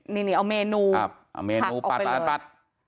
นินิเอาเมนูปัดปัด